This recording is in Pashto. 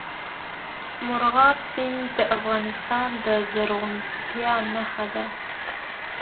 مورغاب سیند د افغانستان د زرغونتیا نښه ده.